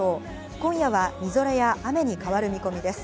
今夜は、みぞれや雨に変わる見込みです。